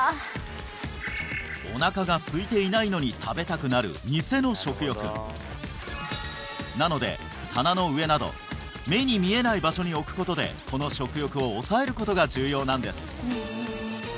おなかがすいていないのに食べたくなるニセの食欲なので棚の上など目に見えない場所に置くことでこの食欲を抑えることが重要なんです